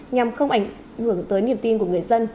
nhằm không ảnh hưởng tới niềm tin của người dân